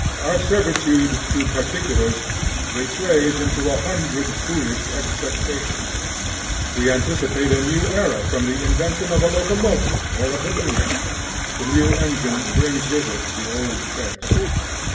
Our servitude to particulars betrays into a hundred foolish expectations. We anticipate a new era from the invention of a locomotive, or a balloon; the new engine brings with it the old checks.